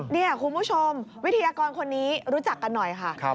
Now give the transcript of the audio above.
นี่คุณผู้ชมวิทยากรคนนี้รู้จักกันหน่อยค่ะ